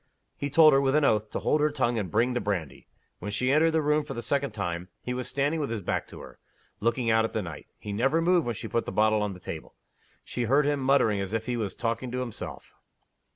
He told her, with an oath, to hold her tongue and bring the brandy. When she entered the room for the second time, he was standing with his back to her, looking out at the night. He never moved when she put the bottle on the table. She heard him muttering as if he was talking to himself.